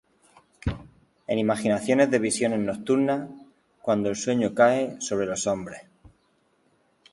En imaginaciones de visiones nocturnas, Cuando el sueño cae sobre los hombres,